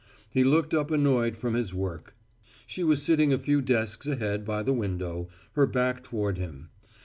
He looked up annoyed from his work. She was sitting a few desks ahead by the window, her back toward him.